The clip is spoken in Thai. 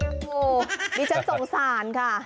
โอโหนี่ฉันสงสารค่ะ